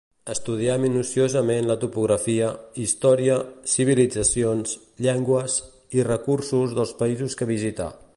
Estudià minuciosament la topografia, història, civilitzacions, llengües, i recursos dels països que visità.